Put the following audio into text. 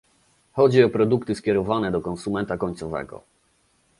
chodzi o produkty skierowane do konsumenta końcowego